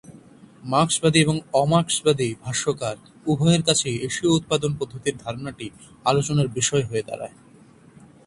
মার্ক্সবাদী এবং অ-মার্কসবাদী ভাষ্যকার উভয়ের কাছেই এশীয় উৎপাদন পদ্ধতির ধারণাটি আলোচনার বিষয় হয়ে দাঁড়ায়।